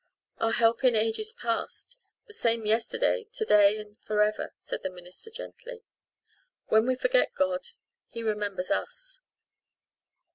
"'Our help in ages past' 'the same yesterday, to day and for ever,'" said the minister gently. "When we forget God He remembers us."